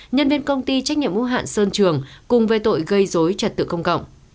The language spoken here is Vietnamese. nhân viên công ty trách nhiệm mô hạn sơn trường cùng về tội gây dối trật tự công cộng